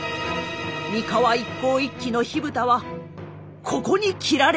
三河一向一揆の火蓋はここに切られました。